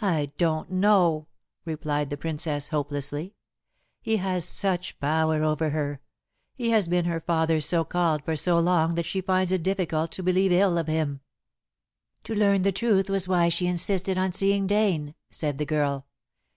"I don't know," replied the Princess hopelessly. "He has such power over her. He has been her father so called for so long that she finds it difficult to believe ill of him." "To learn the truth was why she insisted on seeing Dane," said the girl.